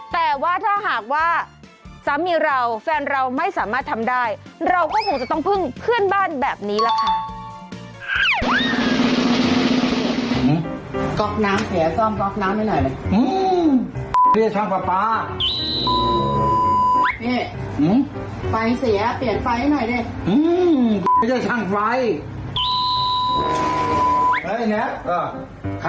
แต่ว่าถ้าหากว่าสามีเราแฟนเราไม่สามารถทำได้เราก็คงจะต้องพึ่งเพื่อนบ้านแบบนี้แหละค่ะ